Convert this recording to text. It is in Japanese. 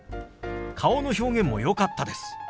顔の表現もよかったです。